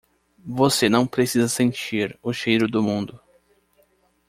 Você não precisa sentir o cheiro do mundo!